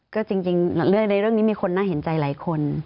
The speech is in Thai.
ก็จริงในเรื่องนี้มีคนน่าเห็นใจหลายคน